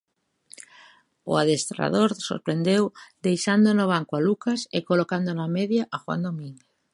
O adestrador sorprendeu deixando no banco a Lucas e colocando na media Juan Domínguez.